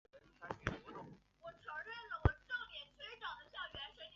本条目为北宋曹洞宗心空禅师的祖师塔概述。